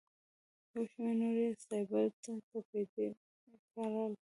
یو شمېر نور یې سایبریا ته تبعید کړل.